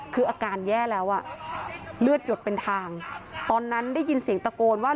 คืออาการแย่แล้วอ่ะเลือดหยดเป็นทางตอนนั้นได้ยินเสียงตะโกนว่า